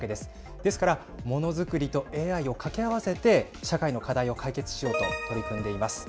ですからものづくりとＡＩを掛け合わせて、社会の課題を解決しようと取り組んでいます。